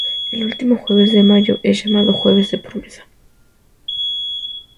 El último jueves de mayo es llamado Jueves de Promesa.